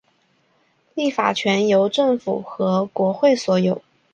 立法权由政府和国会所有。